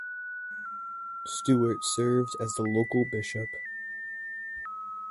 Stewart served as the local bishop.